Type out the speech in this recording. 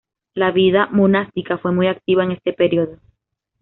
La vida monástica fue muy activa en este período.